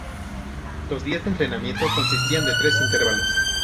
Los días de entrenamiento consistían de tres intervalos.